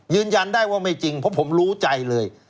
ยืนยันได้ว่าไม่จริงเพราะผมรู้ใจเลย